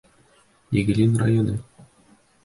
Иглин районы.